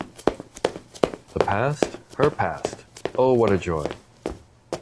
The past — her past, oh, what a joy!